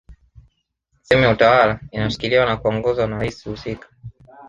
sehemu ya utawala inashikiliwa na kuongozwa na rais husika